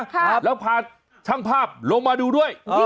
ค่ะแล้วพาชั้นภาพลงมาดูด้วย